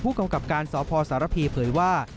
ผู้กำกับการสพสารภีร์เผยว่า